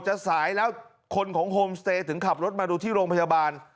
สายแล้วคนของโฮมสเตย์ถึงขับรถมาดูที่โรงพยาบาล